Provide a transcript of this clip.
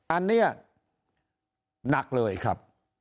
อันนี้หนักเลยครับ